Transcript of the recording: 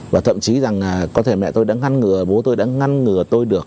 và thậm chí rằng có thể mẹ tôi đã ngăn ngừa bố tôi đã ngăn ngừa tôi được